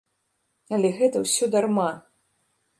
Але гэта ўсё дарма!